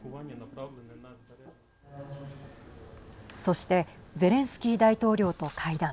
そしてゼレンスキー大統領と会談。